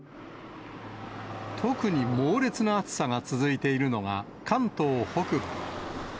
特に猛烈な暑さが続いているのが、関東北部。